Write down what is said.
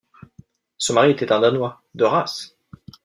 Son mari était un danois, de race.